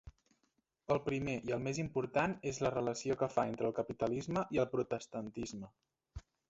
El primer i el més important és la relació que fa entre el capitalisme i el protestantisme.